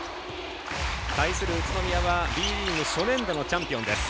対する宇都宮は、Ｂリーグ初年度のチャンピオンです。